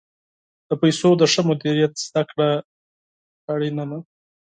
د پیسو د ښه مدیریت زده کړه مهمه ده.